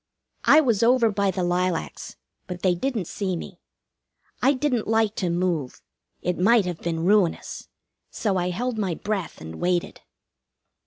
I was over by the lilacs; but they didn't see me. I didn't like to move. It might have been ruinous, so I held my breath and waited.